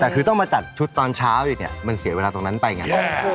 แต่คือต้องมาจัดชุดตอนเช้าอยู่เนี่ยมันเสียเวลาตรงนั้นไปไง